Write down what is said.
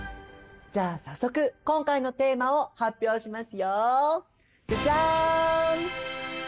じゃあ早速今回のテーマを発表しますよ。